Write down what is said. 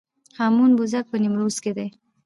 هامون پوزک په نیمروز کې دی